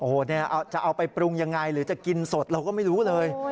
โอ้โหจะเอาไปปรุงยังไงหรือจะกินสดเราก็ไม่รู้เลย